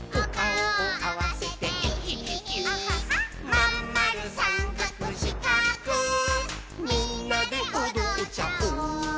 「まんまるさんかくしかくみんなでおどっちゃおう」